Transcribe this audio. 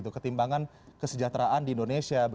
ketimbangan kesejahteraan di indonesia